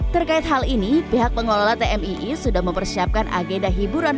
terkait hal ini pihak pengelola tmii sudah mempersiapkan agenda hiburan